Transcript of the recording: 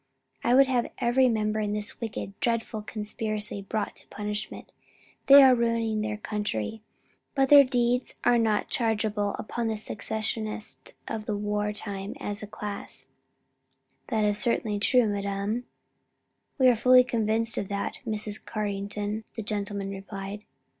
I would have every member of this wicked, dreadful conspiracy brought to punishment; they are ruining their country; but their deeds are not chargeable upon the secessionists of the war time, as a class." "That is certainly true, madam." "We are fully convinced of that, Mrs. Carrington," the gentlemen replied.